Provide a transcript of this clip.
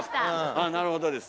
ああなるほどです。